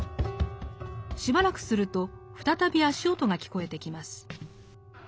しばらくすると再び足音が聞こえてきます。